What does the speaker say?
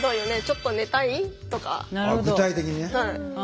具体的にね。